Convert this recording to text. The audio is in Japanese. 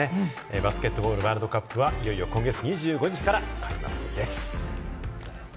バスケットボールワールドカップはいよいよ今月２５日から開幕です。